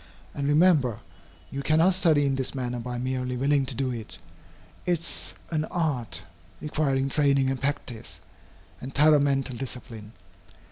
And, remember, you cannot study in this manner by merely willing to do it. It is an art, requiring training and practice, and thorough mental discipline.